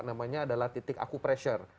namanya adalah titik acupressure